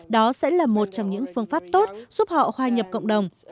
đó sẽ là một trong những phương pháp tốt giúp họ hòa nhập cộng đồng